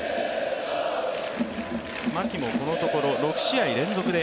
牧もこのところ６試合連続で